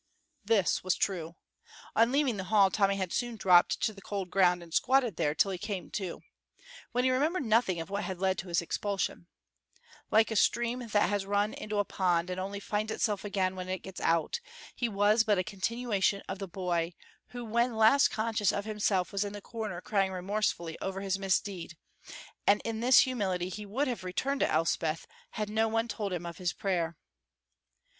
This was true. On leaving the hall Tommy had soon dropped to the cold ground and squatted there till he came to, when he remembered nothing of what had led to his expulsion. Like a stream that has run into a pond and only finds itself again when it gets out, he was but a continuation of the boy who when last conscious of himself was in the corner crying remorsefully over his misdeed; and in this humility he would have returned to Elspeth had no one told him of his prayer.